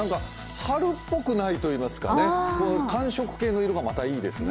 春っぽくないといいますか、寒色系の色がまたいいですね。